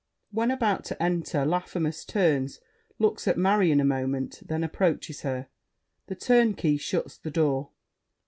[When about to enter, Laffemas turns, looks at Marion a moment, then approaches her. The Turnkey shuts the door.